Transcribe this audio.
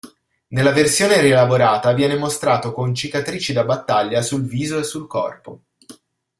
Nella versione rielaborata viene mostrato con cicatrici da battaglia sul viso e sul corpo.